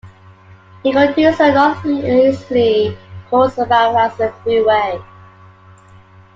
It continues a northeasterly course for about as a freeway.